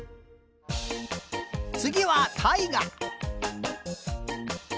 つぎはたいが。